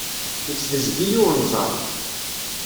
Yessebzeg-iyi unẓar.